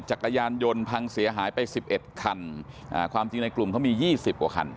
จักรยานยนต์พังเสียหายไป๑๑คันความจริงในกลุ่มเขามี๒๐กว่าคัน